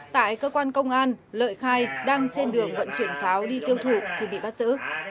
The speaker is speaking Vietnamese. tại cơ quan công an lợi khai đang trên đường vận chuyển pháo đi tiêu thụ thì bị bắt giữ